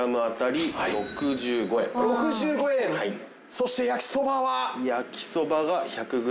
そして焼きそばは？